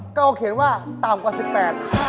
ก็เขียนว่าต่ำกว่า๑๘